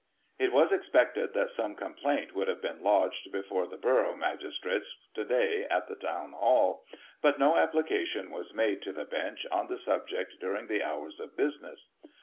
It was expected that some complaint would have been lodged before the borough magistrates, to day, at the Town Hall ; but no application was made to the Bench on the subject during the hours of business.